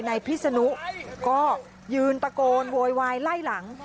พิศนุก็ยืนตะโกนโวยวายไล่หลัง